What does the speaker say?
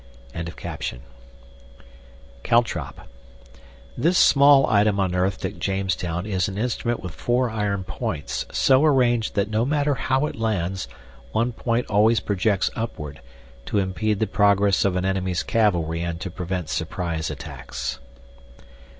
] CALTROP This small item unearthed at Jamestown is an instrument with 4 iron points, so arranged that no matter how it lands, 1 point always projects upward, to impede the progress of an enemy's cavalry and to prevent surprise attacks.